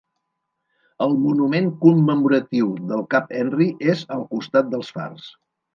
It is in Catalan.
El monument commemoratiu del cap Henry és al costat dels fars.